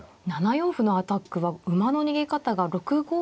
７四歩のアタックは馬の逃げ方が６五しかないですか。